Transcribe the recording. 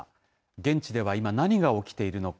現地では今何が起きているのか。